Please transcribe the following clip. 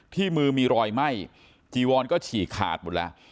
ที่มือมีรอยไหม้จีวอนก็ฉีกขาดหมดแล้ว